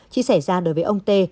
chỉ xảy ra đối với ông tê